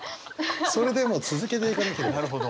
それでも続けていかなければ。